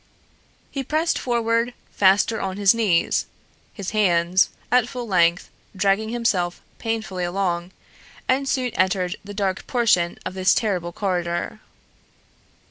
He pressed forward faster on his knees, his hands, at full length, dragging himself painfully along, and soon entered the dark portion of this terrible corridor.